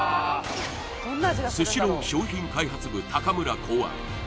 スシロー商品開発部高村考案